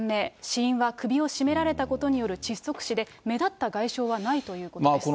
死因は首を絞められたことによる窒息死で、目立った外傷はないということです。